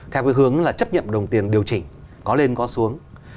theo cái hướng là chấp nhận đồng tiền điều chỉnh có lên có xuống